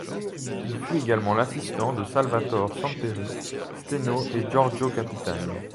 Il fut également l'assistant de Salvatore Samperi, Steno et Giorgio Capitani.